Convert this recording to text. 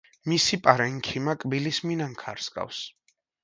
მისი პარენქიმა კბილის მინანქარს ჰგავს.